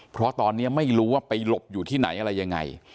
เพราะตอนนี้ไม่รู้ว่าไปหลบอยู่ที่ไหนอะไรยังไง